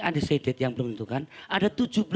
undecided yang belum menentukan ada